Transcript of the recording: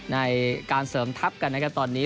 ในการเสริมทัพกันนะครับตอนนี้